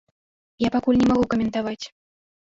Я пакуль не магу каментаваць.